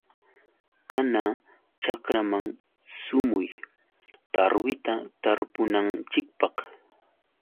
Kana chakraman sumuy. Tarwita tarpunanchikpaq.